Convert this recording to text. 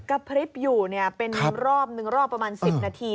กระพริบอยู่เป็นรอบหนึ่งรอบประมาณ๑๐นาที